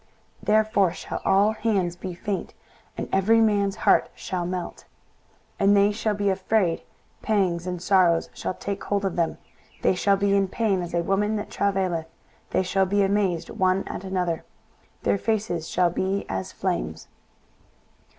23:013:007 Therefore shall all hands be faint, and every man's heart shall melt: 23:013:008 And they shall be afraid: pangs and sorrows shall take hold of them; they shall be in pain as a woman that travaileth: they shall be amazed one at another; their faces shall be as flames.